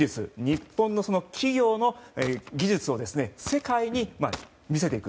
日本の企業の技術を世界に見せていく。